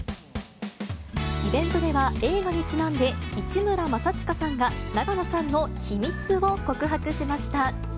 イベントでは、映画にちなんで市村正親さんが永野さんの秘密を告白しました。